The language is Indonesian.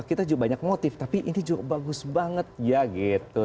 kita juga banyak motif tapi ini juga bagus banget ya gitu